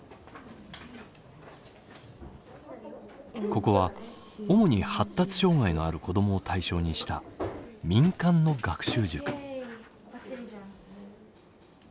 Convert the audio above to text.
ここは主に発達障害のある子どもを対象にした民間の学習塾。